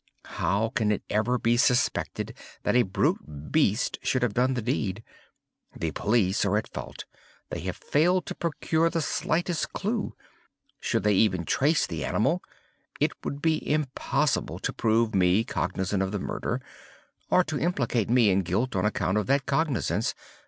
How can it ever be suspected that a brute beast should have done the deed? The police are at fault—they have failed to procure the slightest clew. Should they even trace the animal, it would be impossible to prove me cognizant of the murder, or to implicate me in guilt on account of that cognizance.